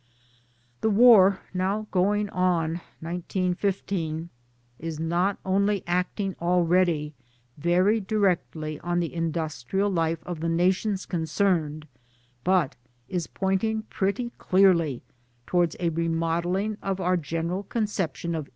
The War, now going on is not only acting already very directly on the industrial life of the nations concerned but is pointing' pretty clearly towards a remodelling of our general conception of LONDON.